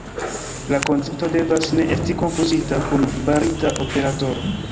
La koncepto devas ne esti konfuzita kun barita operatoro.